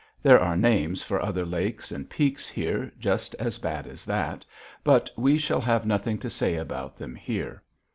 There are names for other lakes and peaks here just as bad as that, but we shall have nothing to say about them here.